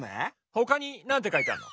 ほかになんてかいてあんの？